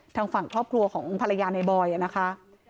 ทางฝั่งครอบครัวของภรรยาในบอยนะคะ